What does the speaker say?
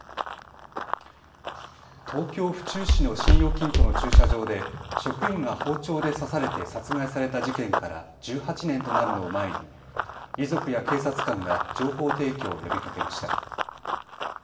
東京・府中市の信用金庫の駐車場で職員が包丁で刺されて殺害された事件から１８年となるのを前に遺族や警察官が情報提供を呼びかけました。